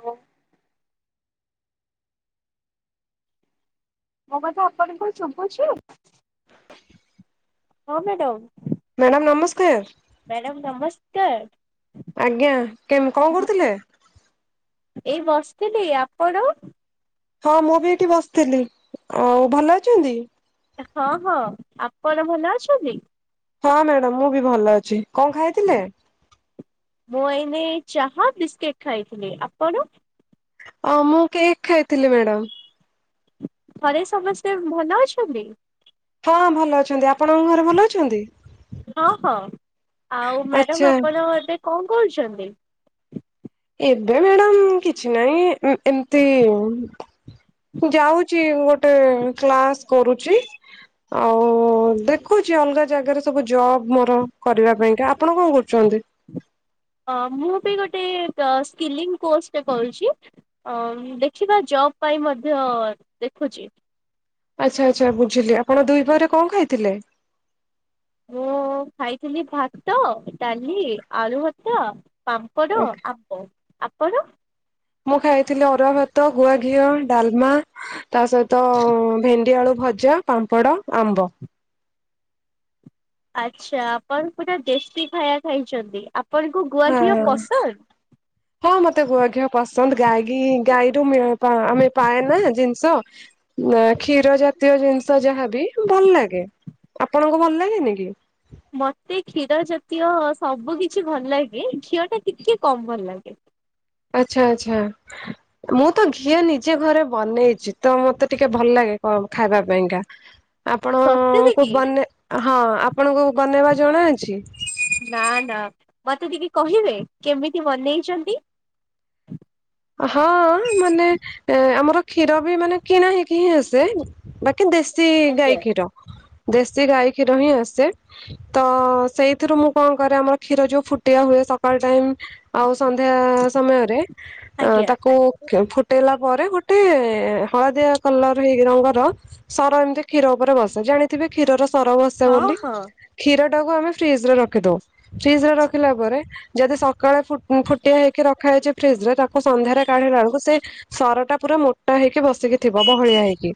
ହୋଉ। ମୋ କଥା ଆପଣଙ୍କୁ ଶୁଭୁଛି? [inaudible] ହଁ ମ୍ୟାଡମ। ମ୍ୟାଡ଼ାମ ନମସ୍କାର। ମ୍ୟାଡ଼ାମ ନମସ୍କାର। ଆଜ୍ଞା କେମ୍ କଣ କରୁଥିଲେ? ଏଇ ବସିଥିଲି। ଆପଣ? ହଁ ମୁଁ ବି ଏଇଠି ବସଥିଲି। ଆଉ ଭଲ ଅଛନ୍ତି? ହଁ ହଁ। ଆପଣ ଭଲ ଅଛନ୍ତି? ହଁ ମ୍ୟାଡ଼ାମ ମୁଁ ବି ଭଲ ଅଛି କଣ ଖାଇଥିଲେ। ମୁଁ ଏଇନେ ଚାହା ବିସ୍କିଟ୍ ଖାଇଥିଲି ଆପଣ। ଅଉ ମୁଁ କେକ୍ ଖାଇଥିଲି ମ୍ୟାଡ଼ାମ। ଘରେ ସମସ୍ତେ ଭଲ ଅଛନ୍ତି। ହଁ ଭଲ ଅଛନ୍ତି ଆପଣଙ୍କ ଘରେ ଭଲ ଅଛନ୍ତି। ହଁ ହଁ ଆଉ ଆଚ୍ଛା ମ୍ୟାଡ଼ାମ ଆପଣ ଏବେ କଣ କରୁଛନ୍ତି। ଏବେ ମ୍ୟାଡ଼ାମ କିଛି ନାହିଁ ଉଁ ଏମତି। ମୁଁ ଯାଉଛି ଗୋ କ୍ଲାସ୍ କରୁଛି। ଆଉ ଦେଖୁଛି ଅଲଗା ଜାଗାରେ ସବୁ ଜବ ମୋର କରିବା ପାଇଁକା ଆପଣ କଣ କରୁଛନ୍ତି। ଅ ମୁଁ ବି ଗୋଟେ ସ୍କିଲିଂ କୋର୍ସଟେ କରୁଛି। ଅ ମ୍ ଦେଖିବା ଜବ୍ ପାଇଁ ମଧ୍ୟ ଦେଖୁଛି। ଆଚ୍ଛା ଆଚ୍ଛା ବୁଝିଲି ଆପଣ ଦୁଇ ପହରେ କଁ ଖାଇଥିଲେ। ମୁଁ ଖାଇଥିଲି ଭାତ ଡାଲି ଆଳୁ ଭର୍ତ୍ତା। ପାମ୍ପଡ଼ ଆମ୍ବ ଆପଣ। ମୁଁ ଖାଇଥିଲି ଅରୁଆ ଭାତ ଗୁଆ ଘିଅ ଡଲମା। ତା ସହିତ ଭେଣ୍ଡି ଆଳୁ ଭଜା ପାମ୍ପଡ଼ ଆମ୍ବ। ଆଚ୍ଛା ଆପଣ ପୁରା ଦେଶି ଖାଇବା ଖାଇଛନ୍ତି ଆପଣଙ୍କୁ ଗୁଆ ହଁ ଘିଅ ପସନ୍ଦ। ହଁ ମତେ ଗୁଆଘିଅ ପସନ୍ଦ ଗାଗି ଗାଈରୁ ମିଳେ। ପା ଆମେ ପାଏ ନା ଜିନିଷ ଏଁ କ୍ଷୀର ଯା ଜାତୀୟ ଜିନିଷ ଯାହାବି ଭଲ ଲାଗେ ଆପଣଙ୍କୁ ଭଲ ଲାଗେନି କି? ମତେ କ୍ଷୀର ଜାତୀୟ ସବୁ କିଛି ଭଲ ଲାଗେ କ୍ଷିଅ ଟା ଟିକେ କମ ଭଲ ଲାଗେ। ଆଚ୍ଛା ଆଛା ମୁଁ ତ ଘିଅ ନିଜେ ଘରେ ବନେଇଛି ତ ମତେ। ଟିକେ ଭଲ ଲାଗେ କ ଖାଇବା ପାଇଁକା ସତରେ ଆପଣଙ୍କୁ କି? ବନେ ହଁ ଆପଣଙ୍କୁ ବନେଇବା ଜଣା ଅଛି। ନା ନା ମତେ ଟିକେ କହିବେ କେମିତି ବନେଇଛନ୍ତି। ହଁ ମାନେ ଏଁ ଆମର କ୍ଷୀର ବି ମାନେ କିଣା ହେକି ହିଁ ଆସେ ବା କି ଦେଶୀ ଗାଈ ଆଜ୍ଞା କ୍ଷୀର ଦେଶୀ ଗାଈ କ୍ଷୀର ହିଁ ଆସେ। ତ ସେଇଥିରୁ ମୁଁ କଣ କରେ ଆମର କ୍ଷୀର ଯୋଉ ଫୁଟିଆ ହୁଏ ସକାଳ ଟାଇମ। ଆଉ ସନ୍ଧ୍ୟା ସମୟରେ ଆଜ୍ଞା ତାକୁ। କ ଫୁଟେଇଲା ପରେ ଗୋଟେ ହଳଦିଆ କଲର ହେଇ ରଙ୍ଗର। ସର ଏମିତି କ୍ଷୀର ଉପରେ ବସେ ଜାଣିଥିବେ କ୍ଷୀର ର ସର ବସେ ହଁ ବୋଲି। ହଁ କ୍ଷୀର ଟାକୁ ଆମେ ଫ୍ରିଜ ରେ ରଖିଦଉ। ଫ୍ରିଜ ରେ ରଖିଲା ପରେ ଯଦି ସକାଳେ ଫୁଟିଆ ହେଇକି ରଖା ଯାଇଛି ଫ୍ରିଜ ରେ ତାକୁ। ସନ୍ଧ୍ୟାରେ କାଢିଲା ବେଳକୁ ସେଇ ସର ଟା ପୁରା ମୋଟା ହେଇକି ବସିକି। ଥିବ ବହଳିଆ ହେଇକି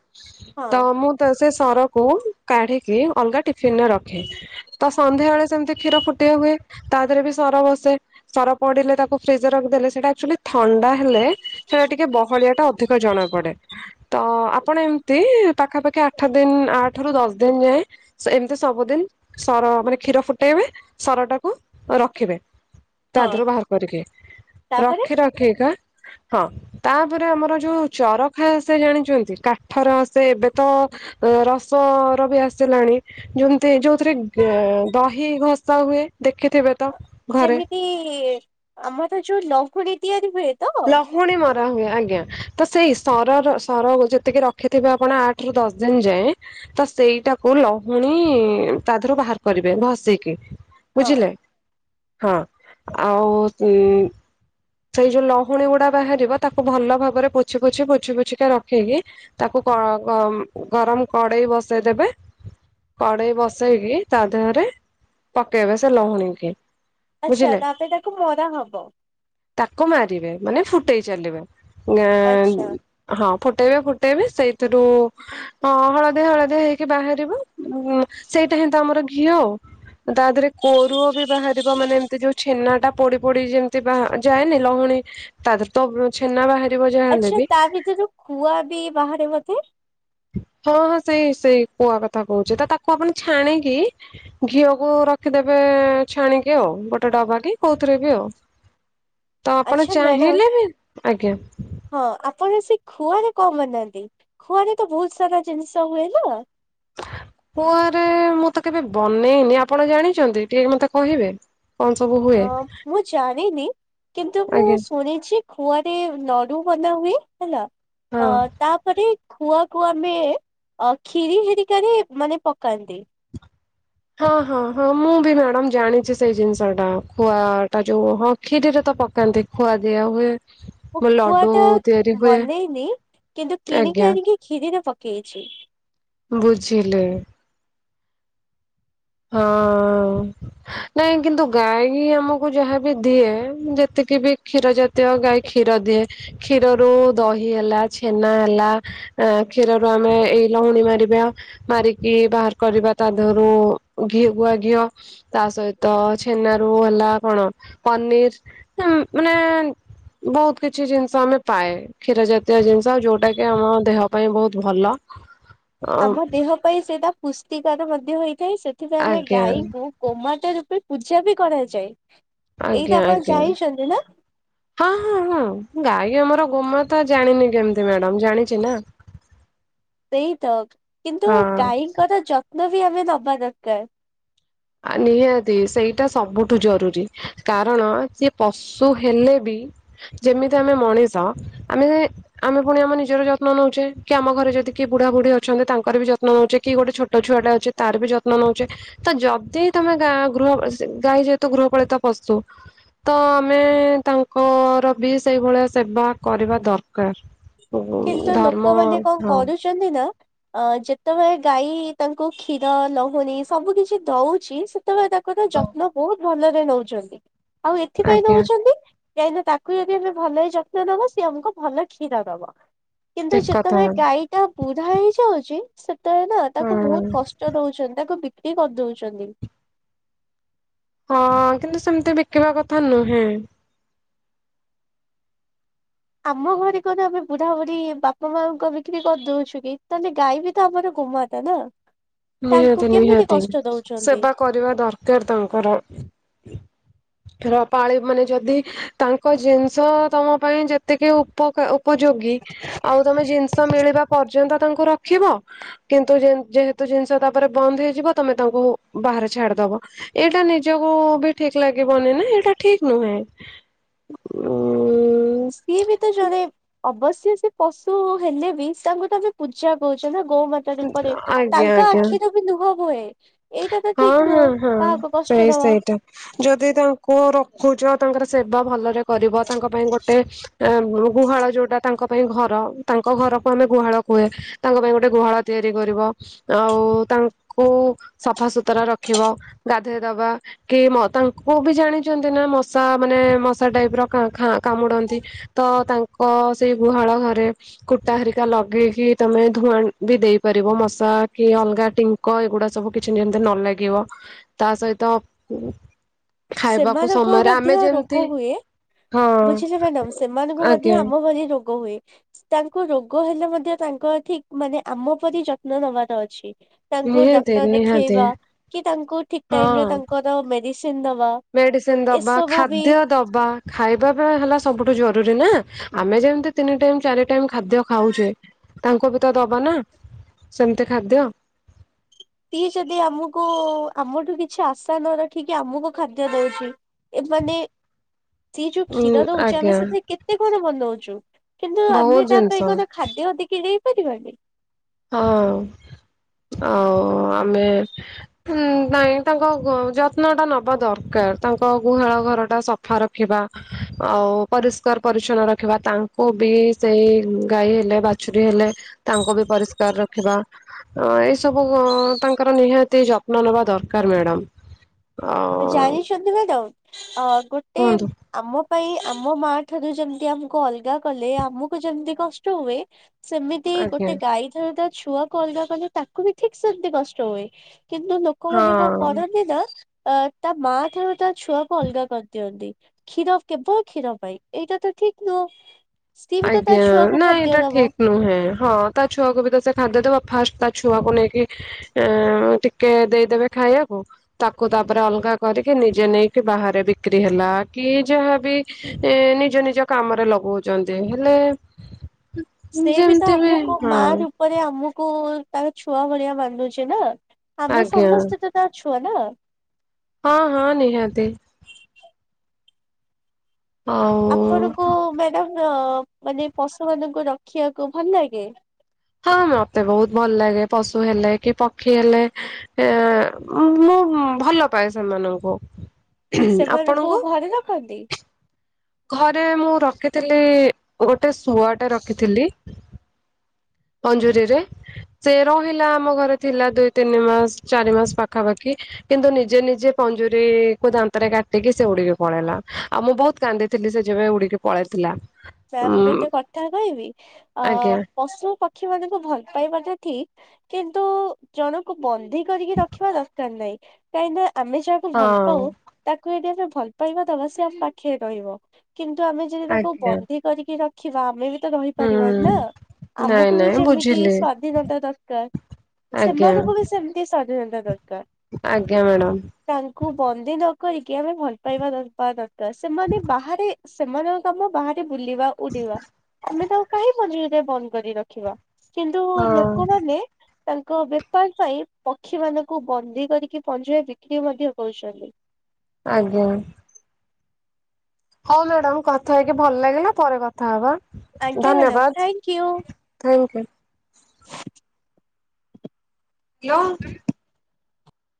ହଁ ତ ମୁଁ। ତ ସେ ସରକୁ କାଢିକି ଅଲଗା ଟିଫିନରେ ରଖେ। ତ ସନ୍ଧ୍ୟା ବେଳେ ସେମିତି କ୍ଷୀର ଫୁଟିଆ ହୁଏ ତା ଦେହରେ ବି ସର ବସେ। ସର ପଡିଲେ ତାକୁ ଫ୍ରିଜ ରେ ରଖି ଦେଲେ ଦେଲେ ସେଇଟା ଆକ୍ଚୁଆଲି। ଥଣ୍ଡା ହେଲେ ସେଟା ଟିକେ ବହଳିଆ ଟା ଅଧିକ ଜଣା ପଡେ। ତ ଆପଣ ଏମିତି ପାଖା ପାଖି ଆଠ ଦିନ ଆଠ ରୁ ଦଶ ଦିନ ଯାଏଁ। ସେମିତି ସବୁଦିନ। ସର ମାନେ କ୍ଷୀର ଫୁଟେଇବେ ସରଟାକୁ ରଖିବେ ତା ଦେହରୁ ବାହାର କରିକି। ତା ପରେ। ରଖି କା ହଁ। ତାପରେ ଆମର ଯୋଉ ଚରଖା ସେ ଜାଣିଛନ୍ତି। କାଠର ସେ ଏବେ ତ ଅ ରସର ବି ଆସିଲାଣି। ଯେମତି ଯୋଉଥିରେ ଦହି ଘସା ହୁଏ ଦେଖିଥିବେ। ତ ଘରେ ଯେମିତି ଆମର ଯୋଉ ଲହୁଣି ତିଆରି ହୁଏ। ତ? ଲ ପୁଣି ମରା ହୁଏ ଆଜ୍ଞା। ତ ସେଇ ସର ସର ଯେତିକି ରଖିଥିବେ ଆପଣ ଆଠ ରୁ ଦଶ ଦିନ ଯାଏଁ ତ ସେଇଟାକୁ ଲହୁଣୀ ତା ଦେରୁ ବାହାର କରିବେ ଘସିକି। ହଁ। ବୁଝିଲେ ହଁ ଆଉ ସେଇ ଯୋଉ ଲ ଭୁଣୀ ଗୁଡା ବାହାରିବ ତାକୁ ଭଲ ଭାବରେ ପୋଛି ପୋଛି ପୋଛି ପୋଛିିକା ରଖେଇକି ତାକୁ ଗ-ଗ-ଗରମ କଡେଇ ବସେଇ ଦେବେ। କଡେଇ ବସେଇକି ତା ଦେହରେ ପକେଇବେ ସେ ଲହୁଣୀକି। ଆଚ୍ଛା ତାପରେ ତାକୁ ମରା ହବ। ତାକୁ ମାରିବେ ମାନେ ଫୁଟେଇ ଚାଲିବେ। ଗାଁ ଆଚ୍ଛା। ହଁ ଫୁଟେଇବେ ଫୁଟେଇବେ ସେଇଥିରୁ ହଁ ହଳଦିଆ ହଳଦିଆ ହେଇକି ବାହାରିବ ସେଇଟା ହିଁ ତ ଆମର ଘିଅ ଆଉ। ତା ଦେହରେ କୋରୁଅ ବି ବାହାରିବ। ମାନେ ଏମିତି ଯୋଉ ଛେନା ଟା ପଡି ପଡି ଯେମିତି ବା ଯାଏନି ଲହୁଣୀ ତା ଦେହରେ ତ ଛେନା ବାହାରିବ ଯାହା ହେଲେ ଆଚ୍ଛା ବି। ତା ଭିତରୁ ଖୁଆ ବି ବାହାରେ ବୋଧେ। ହଁ ହଁ ସେଇ ସେଇ କୁଆ କଥା କହୁଛି। ତ ତାକୁ ଆପଣ ଛାଣିକି ଘିଅକୁ ରଖିଦେବେ ଛାଣିକି ଆଉ। ଗୋଟେ ଡବା କି କୋଉଥିରେ ବି ଆଉ। [unintelligible] ତ ଆପଣ ଆଚ୍ଛା ମ୍ୟାଡାମ ଚାହିଁଲେ ବି ଆଜ୍ଞା। ହଁ ଆପଣ ସେଇ ଖୁଆରେ କଣ ମାରିନାହାନ୍ତି। ଖୁଆରେ ତ ବହୁତ ସାରା ଜିନିଷ ହୁଏ ନା। ଖୁଆରେ ମୁଁ ତ କେବେ ବନେଇନି। ଆପଣ ଜାଣିଛନ୍ତି ଟିକେ ମତେ କହିବେ? କଣ ସବୁ ହୁଏ ହଁ ମୁଁ ଜାଣିନି କିନ୍ତୁ ମୁଁ ଆଜ୍ଞା ଶୁଣିଛି। ଖୁଆରେ ନଡୁ ବନାହୁଏ ହେଲା। ଅ ହଁ। ତା ତାପରେ ଖୁଆକୁ ଆମେ ଅ ଖିରି ହେରିକାରେ ମାନେ ପକାନ୍ତି। ହଁ ହଁ ହଁ ମୁଁ ବି ମ୍ୟାଡ଼ାମ ଜାଣିଛି ସେଇ ଜିନିଷଟା। ଖୁଆ ଟା ଯୋଉ ହ ଖିରିରେ ତ ପକାନ୍ତି ଖୁଆ ଦିଆ ହୁଏ। ମୁଁ ଖୁଆ ଲଡୁ ଟା ତିଆରି ହୁଏ। ବନେଇନି। କିନ୍ତୁ କିଣିକି ଆଜ୍ଞା ଆଣିକି ଖିରିରେ ପକେଇଛି। ବୁଝିଲେ। ହଁ। ନାଇଁ କିନ୍ତୁ ଗାଈ ଆମକୁ ଯାହାବି ଦିଏ। ଯେତିକି ବି କ୍ଷୀର ଜାତ ଦତୀୟ ଗାଈ କ୍ଷୀର ଦିଏ। କ୍ଷୀରରୁ ଦହି ହେଲା, ଛେନା ହେଲା। ଆ କ୍ଷୀରରୁ ଆମେ ଏଇ ଲହୁଣୀ ମାରିବା ମାରିକି ବାହାର କରିବା ତା ଦେହରୁ। ଘି ଗୁଆ ଘିଅ। ତା ସହିତ ଛେନାରୁ ହେଲା କଣ ପନିର୍। ମାନେ ବହୁତ କିଛି ଜିନିଷ ଆମେ ପାଏ। କ୍ଷୀର ଜାତୀୟ ଜିନିଷ ଯୋଉଟା କି ଆମ ଦେହ ପାଇଁ ବହୁତ ଭଲ। ଆମ ଦେହ ପାଇଁ ସେଇଟା ପୁଷ୍ଟିକାର ମଧ୍ୟ ହେଇଥାଏ। ସେଥିପାଇଁ ଆମେ ଆଜ୍ଞା ଗାଈଙ୍କୁ ଗୋମାତା ରୂପେ ପୂଜା ବି କରାଯାଏ। ଏଇଟା ଆଜ୍ଞା ଆପଣ ଆଜ୍ଞା। ଜାଣିଛନ୍ତି ନା ହଁ ହଁ ହଁ ଗାଈ ଆମର ଗୋମାତା ଜାଣିନି କେମିତି ମ୍ୟାଡମ୍ ଜାଣିଛି ନା। ସେଇ ତ କିନ୍ତୁ ହଁ ଗାଈଙ୍କର ଯତ୍ନ ବି ଆମେ ନବା ଦରକାର। ନିହାତି ସେଇଟା ସବୁଠୁ ଜରୁରୀ। କାରଣ ସେ ପଶୁ ହେଲେ ବି ଯେମିତି ଆମେ ମଣିଷ ଆମେ ଆମେ ପୁଣି ଆମ ନିଜର ଯତ୍ନ ନେଉଛେ। କି ଆମ ଘରେ ଯଦି କିଏ ବୁଢା ବୁଢୀ ଅଛନ୍ତି ତାଙ୍କର ବି ଯତ୍ନ ନେଉଛେ। କି ଗୋଟେ ଛୋଟ ଛୁଆଟା ଅଛି। ତାର ବି ଯତ୍ନ ନଉଛେ ତ ଯ। ତ ତମେ ଗା ଗୃହ ଗାଈ ଯେହେତୁ ଗୃହପାଳିତ ପଶୁ। ତ ଆମେ ତାଙ୍କର ବି ସେଇଭଳିଆ ସେବା କରିବା ଦରକାର। ଓ ଧର୍ମ ହଁ। ଛନ୍ତି ନା। ଅ ଯେତେବେଳେ ଗାଈ ତାଙ୍କୁ କ୍ଷୀର, ଲହୁଣୀ ସବୁ କିଛି ଦଉଛି। ତାଙ୍କର ଯତ୍ନ ବହୁତ ଭଲରେ ନଉଛନ୍ତି। ଆଉ ଏଥିପାଇଁ ଆଜ୍ଞା। ନଉଛନ୍ତି। କାହିଁକିନା ତାକୁ ଯଦି ଆମେ ଭଲରେ ଯତ୍ନ ନବା ସେ ଆମକୁ ଭଲ କ୍ଷୀର ଦବ। କିନ୍ତୁ ଠିକ କଥା ଯେତେବେଳେ ଗାଈ ଟା ବୁଢା ହେଇଯାଉଛି ସେତେବେଳେ ନା ତାକୁ ହଁ ବହୁତ କଷ୍ଟ। ଦଉଛନ୍ତି ତାକୁ ବିକ୍ରି କରିଦଉଛନ୍ତି। ହଁ। କିନ୍ତୁ ସେମିତି ବିକିବା କଥା ନୁହେଁ। ଆମ ଘରେ କଣ ଆମେ ବୁଢା, ବୁଢ଼ୀ ବାପା, ମାକୁ ବିକ୍ରି କରିଦଉଛୁ କି? ତାହେଲେ ଗାଈ ବି ତ ଆମର ଗୋମାତା। ନା। ତାଙ୍କୁ ନିହାତି କେମିତି ନିହାତି କଷ୍ଟ ଦଉଛନ୍ତି ସେବା କରିବା ଦରକାର ତାଙ୍କର। [unintelligible] ର ପାଳି ମାନେ ଯଦି ତାଙ୍କ ଜିନିଷ ତମ ପାଇଁ ଯେତିକି ଉପ ଉପଯୋଗୀ। ଆଉ ତମେ ଜିନିଷ ମିଳିବା ପର୍ଯ୍ୟନ୍ତ ତାଙ୍କୁ ରଖିବ। କିନ୍ତୁ ଯେହେତୁ। ଜିନିଷ ତାପରେ ବନ୍ଦ ହେଇଯିବ। ତମେ ତାଙ୍କୁ ବାହାରେ ଛାଡିଦବ ଏଇଟା ନିଜକୁ ବି। ଠିକ ଲାଗିବନି ନା ଏଇଟା ଠିକ୍ ନୁହେଁ। ଉ ସିଏ ବି ତ ଯଦି। ଅବଶ୍ୟ ସେ ପଶୁ ହେଲେ ବି ତାଙ୍କୁ ତ ଆମେ ପୂଜା କରୁଛୁ ନା ଗୋମାତା। ପରେ ଆଜ୍ଞା ତାଙ୍କ ଆଜ୍ଞା ଆଖିରୁ ବି ଲୁହ ବୁହେ। ହଁ ହଁ ହଁ ସେଇ ଦବା ସେଇଟା ଯଦି ତା। କୁ ରଖୁଛ ତାଙ୍କର ସେବା ଭଲରେ କରିବ ତାଙ୍କ ପାଇଁ ଗୋଟେ ଗୁହାଳ ଯୋଉଟା ତାଙ୍କ ପାଇଁ ଘର ତାଙ୍କ ଘରକୁ ଆମେ ଗୁହାଳ କୁହେ ତାଙ୍କ ପାଇଁ ଗୋଟେ ଗୁହାଳ ତିଆରି କରିବ ଆଉ ତାଙ୍କୁ ସଫା ସୁତୁରା ରଖିବ ଗାଧୋଇ ଦବା କି ତାଙ୍କୁ ବି ଜାଣିଛନ୍ତି ନା ମଶା ମାନେ ମଶା ଟାଇପ ର କାମୁଡନ୍ତି? ତ ତାଙ୍କ ସେଇ ଗୁହାଳ ଘରେ କୁଟା ହରିକା ଲଗେଇକି ତମେ ଧୂଆଁ ବି ଦେଇପାରିବ ମଶା କି ଅଲଗା ଟିଙ୍କ ଏଗୁଡା ସବୁ କିଛି ଯେମିତି ନ ଲାଗିବ ତା ସହିତ ଖାଇବାକୁ ସେମାନଙ୍କୁ ସମୟରେ ଆମେ ମଧ୍ୟ ଯେମତି ରୋଗ ହୁଏ ବୁଝିଲେ ମ୍ୟାଡାମ ସେମାନଙ୍କୁ ମଧ୍ୟ ଆମ ଭଳି ରୋଗ ହୁଏ। ତାଙ୍କୁ ରୋଗ ହେଲେ ମଧ୍ୟ ତାଙ୍କ ଠିକ ମାନେ ଆମ ପରି ଯତ୍ନ ନବାର ଅଛି। ତାଙ୍କୁ ନିହାତି ଡକ୍ଟର ନିହାତି ଦେଖେଇବା କି ତାଙ୍କୁ ଠିକ ଟାଇମ ହଁ ରେ ତାଙ୍କର ମେଡିସିନ ଦବା? ମେଡିସିନ ଦବା ଏସବୁ ବି ଖାଦ୍ୟ ଦବା ଖାଇବା ହେଲା ସବୁଠୁ ଜରୁରୀ ନା ଆମେ ଯେମତି ତିନି ଟାଇ ଚାରି ଟାଇମ ଖାଦ୍ୟ ଖାଉଛେ ତାଙ୍କୁ ବି ତ ଦବା ନା ସେମିତି ଖାଦ୍ୟ ସିଏଯଦି ଆମକୁ ଆମଠୁ କିଛି ଆଶା ନ ରଖିକି ଆମକୁ ଖାଦ୍ୟ ଦଉଛି। ଏମାନେ ସିଏ ଯୋଉ ଉ କ୍ଷୀର ଦଉଛିେ ଆମେ ଆଜ୍ଞା ସେଥିରେ କେତେ କଣ ବନଉଛୁ କିନ୍ତୁ ଆମେ ବହୁତ ତା ଜିନିଷ ପାଇଁ କଣ? ଖାଦ୍ୟ ଟିକେ ଦେଇ ପାରିବନି। ହଁ ହ ଆମେ ନାଇଁ ତାଙ୍କ ଯତ୍ନ ଟା ନବା ଦରକାର ତାଙ୍କ ଗୁହାଳ ଘର ଟା ସଫା ରଖିବା? ଆଉ ପରିଷ୍କାର ପରିଚ୍ଛନ୍ନ ରଖିବା ତାଙ୍କୁ ବି ସେଇ ଗାଈ ହେଲେ ବାଛୁରୀ ହେଲେ। ତାଙ୍କୁ ବି ପରିଷ୍କାର ରଖିବା। ଅ ଏ ସବୁ ତାଙ୍କର ନିହାତି ଯତ୍ନ ନେବା ଦରକାର ମ୍ୟାଡାମ। ଆଉ ଜାଣିି ଛ ନ୍ତି ମ୍ୟାଡ଼ାମ ଅ ଗୋଟ କୁହନ୍ତୁ? ଆମ ପାଇଁ ଆମ ମା ଠାରୁ ଯେମତି ଆମୁକୁ ଅଲଗା କଲେ ଆମକୁ ଯେମତି କଷ୍ଟ ହୁଏ ସେମିତି ଆଜ୍ଞା ଗୋଟେ ଗାଈ ଠାରତ ଛୁଆ କୁ ଅ ଲଗା କଲେ ତାକୁ ବି ଠିକ୍ ସେମତି କଷ୍ଟ ହୁଏ କିନ୍ତୁ ଲୋକମାନେ କଣ ହଁ। କରନ୍ତି ତ ତାଆ ତା ମା ଠାରୁ ତା ଛୁଆକୁ ଅଲଗା କରିଦିଅନ୍ତି। କ୍ଷୀର କେବଳ କ୍ଷୀର ପାଇଁ ଏଇଟା ତ ଠିକ୍ ନୁହଁ ସିଏ ବି ତ ତା ଆଜ୍ଞା ଛୁଆକୁ ନାଇଁ ଖାଦ୍ୟ ଏଇଟା ଦବ। ଠିକ ନୁହେଁ ହଁ ତା ଛୁଆକୁ ବି ତ ସେ ଖାଦ୍ୟଦବ ଫାଷ୍ଟ ତା ଛୁଆକୁ ନେଇକି ଏ ଟିକେ ଦେଇଦେବେ ଖାଇବାକୁ। ତାକୁ ତାପରେ ଅଲଗା କରିକି ନିଜେ ନେଇକି ବାହାରେ ବିକ୍ରି ହେଲା କି ଯାହାବି ଏ ନିଜ ନିଜ କାମରେ ଲଗଉଛନ୍ତି ହେଲେ ଯେମିତି ବି ହଁ। ପରେ ଆମକୁ ତାର ଛୁଆ ଭଳିଆ ମାନୁଚି ନା ଆମେ ଆଜ୍ଞା ସମସ୍ତେ ତ ତା ଛୁଆ ନା। ହଁ ହଁ ନିହାତି। ଆଉ ଆପଣଙ୍କୁ ମ୍ୟାଡାମ୍ ମାନେ ପଶୁ ମାନଙ୍କୁ ରଖିବାକୁ ଭଲ ଲାଗେ? ହଁ ମତେ ବହୁତ ଭଲ ଲାଗେ ପଶୁ ହେଲେ କି ପକ୍ଷୀ ହେଲେ। ଏ ମୁଁ ମୁ ଭଲ ପାଏ ସେମାନଙ୍କୁ। ସେମାନଙ୍କୁ ଆପଣଙ୍କୁ? ଘରେ ରଖନ୍ତି? ଘରେ ମୁଁ ରଖିଥିଲି ଗୋଟେ ଶୁଆ ଟେ ରଖିଥିଲି। ପଞ୍ଜୁରୀରେ ସେ ରହିଲା ଆମ ଘରେ ଥିଲା ଦୁଇ ତିନି ମାସ ଚାରି ମାସ ପାଖାପାଖି। କିନ୍ତୁ ନିଜେ ନିଜେ ପଞ୍ଜୁରୀ କୁ ଦାନ୍ତରେ କାଟିକି ସେ ଉୁଡିକି ପଳେଇଲା ଆଉ ମୁଁ ବହୁତ କାନ୍ଦିି ଥିଲି ସେ ଯେବେ ଉଡିକି ପଳେଇଥିଲା। ସାରେ ଗୋଟେ ଉଁ କଥା କହିବି ଆ ଆଜ୍ଞା ପଶୁ ପକ୍ଷୀ ମାନଙ୍କୁ ଭଲ ପାଇବାଟା ଠିକ୍ କିନ୍ତୁ ଜଣକୁ ବନ୍ଦୀ କରିକି ରଖିବା ଦରକାର ନାହିଁ କାହିଁକିନା ଆମେ ଯାହାକୁ ଭଲ ହଁ। ପାଉ ତାକୁ ଯଦି ଆମେ ଭଲ ପାଇବା ଦବା ସେ ଆମ ପା ଖରେ ରହିବ କିନ୍ତୁ ଆମେ ଯଦି ତାକୁ ବ ଆଜ୍ଞା ନ୍ଦି କରିକି ରଖିବା ଆମେ ବି ତ ହୁଁ ରହିପାରିବାନି ନା ନାଇଁ ଆମକୁ ବି ନାଇଁ ଯେମିତି ବୁଝିଲି ସ୍ଵାଧୀନତା ଦରକାର। ଆଜ୍ଞା। ସେମାନଙ୍କୁ ବି ସେମିତି ସ୍ଵାଧୀନତା ଦରକାର। ଆଜ୍ଞା ମାଡ଼ାମ୍। ତାଙ୍କୁ ବନ୍ଦୀ ଦରକାରକି ଆମେ ଭଲ ପାଇବା ଦବା ଦରକାର ସେମାନେ ବାହାରେ ସେମାନଙ୍କ କାମ ବାହାରେ ବୁଲିବା ଉଡିବା ଆମେ ତାକୁ କାହିଁ ପଞ୍ଜୁରୀ ରେ ବନ୍ଦ କରି ରଖିବା। କିନ୍ତୁ ହଁ ଲୋକମାନେ ତାଙ୍କ ବେପାର ପାଇଁ ପକ୍ଷୀ ମାନଙ୍କୁ ବନ୍ଦୀ କରିକି ପଞ୍ଜୁରୀରେ ବିକ୍ରି ମଧ୍ୟ କରୁଛନ୍ତି। ଆଜ୍ଞା। ହଉ ମ୍ୟାଡାମ କଥା ହେଇକି ଭଲ ଲାଗିଲା ପରେ କଥା ହବା ଆଜ୍ଞା ମ୍ୟାଡାମ ଧନ୍ୟବାଦ। Thank you. Thank you. Hello. [inaudible]